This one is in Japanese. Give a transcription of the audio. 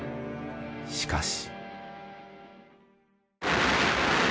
しかし。